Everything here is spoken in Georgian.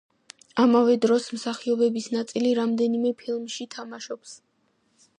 ამავე დროს, მსახიობების ნაწილი რამდენიმე ფილმში თამაშობს.